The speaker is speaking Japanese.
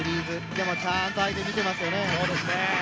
でもちゃんと相手、見てますよね。